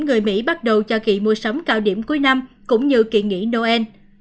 người mỹ bắt đầu cho kỵ mùa sống cao điểm cuối năm cũng như kỵ nghỉ noel